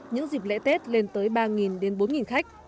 những dịp lễ tết lên tới ba đến bốn khách